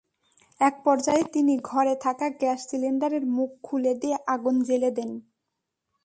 একপর্যায়ে তিনি ঘরে থাকা গ্যাস সিলিন্ডারের মুখ খুলে দিয়ে আগুন জ্বেলে দেন।